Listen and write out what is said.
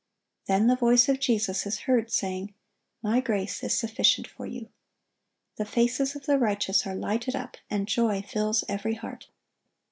Then the voice of Jesus is heard, saying, "My grace is sufficient for you." The faces of the righteous are lighted up, and joy fills every heart.